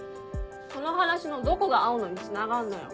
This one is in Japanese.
その話のどこが青野につながるのよ？